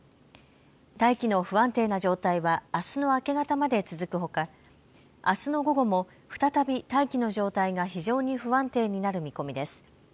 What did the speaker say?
大気の不安定な状態はあすの明け方まで続くほかあすの午後も再び大気の状態が非常に不安定になる見込みです。